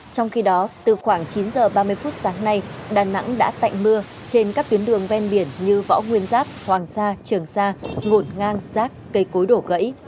trong khi đó từ khoảng chín h ba mươi phút sáng nay đà nẵng đã tạnh mưa trên các tuyến đường ven biển như võ nguyên giáp hoàng sa trường sa ngộn ngang rác cây cối đổ gãy